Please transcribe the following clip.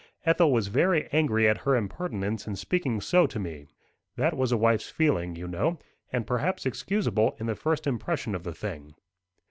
Ethel was very angry at her impertinence in speaking so to me. That was a wife's feeling, you know, and perhaps excusable in the first impression of the thing.